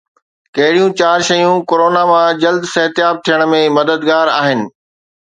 ڪهڙيون چار شيون ڪورونا مان جلد صحتياب ٿيڻ ۾ مددگار آهن؟